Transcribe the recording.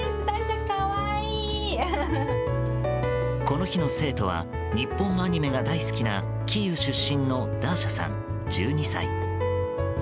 この日の生徒は日本のアニメが大好きなキーウ出身のダーシャさん、１２歳。